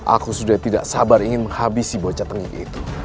aku sudah tidak sabar ingin menghabisi bocah tenggih itu